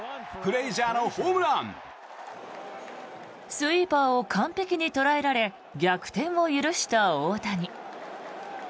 スイーパーを完璧に捉えられ逆転を許した大谷。